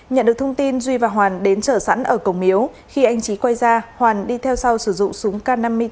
nhận được thông tin duy và hoàn đến chở sẵn ở cổng miếu khi anh trí quay ra hoàn đi theo sau sử dụng súng k năm mươi chín